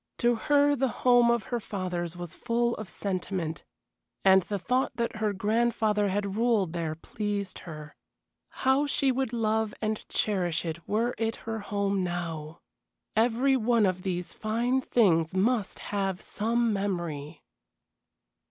To her the home of her fathers was full of sentiment, and the thought that her grandfather had ruled there pleased her. How she would love and cherish it were it her home now! Every one of these fine things must have some memory.